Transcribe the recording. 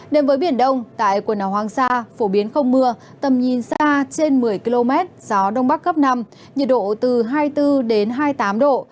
đến với biển đông tại quần đảo hoàng sa phổ biến không mưa tầm nhìn xa trên một mươi km gió đông bắc cấp năm nhiệt độ từ hai mươi bốn hai mươi tám độ